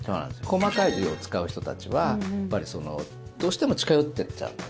細かい字を使う人たちはどうしても近寄ってっちゃう。